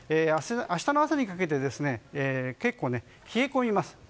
明日の朝にかけて結構、冷え込みます。